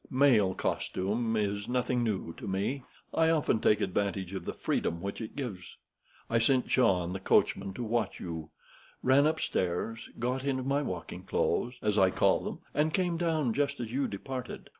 Male costume is nothing new to me. I often take advantage of the freedom which it gives. I sent John, the coachman, to watch you, ran upstairs, got into my walking clothes, as I call them, and came down just as you departed.